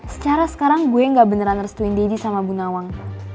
secara sekarang gue gak beneran restuin diri sama bu nawang